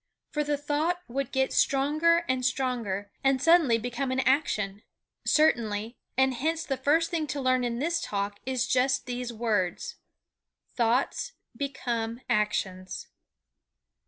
For the thought would get stronger and stronger, and suddenly become an action. Certainly; and hence the first thing to learn in this Talk is just these words: Thoughts become actions.